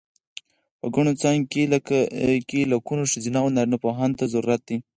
په ګڼو څانګو کې لکونو ښځینه و نارینه پوهانو ته ضرورت دی.